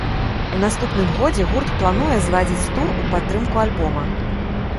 У наступным годзе гурт плануе зладзіць тур у падтрымку альбома.